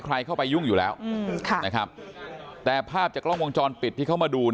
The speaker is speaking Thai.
ใครเข้าไปยุ่งอยู่แล้วแต่ภาพจากกร๒๐๐๖ปิดที่เขามาดู